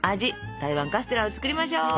台湾カステラを作りましょう。